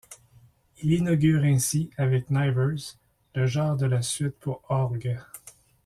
Il inaugure ainsi, avec Nivers, le genre de la suite pour orgue.